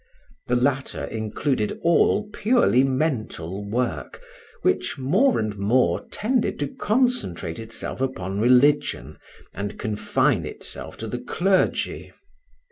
The latter included all purely mental work, which more and more tended to concentrate itself upon religion and confine itself to the clergy.